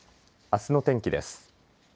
あすの天気です。